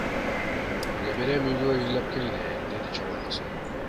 Неберем үйгө ыйлап келди, — деди чоң энеси.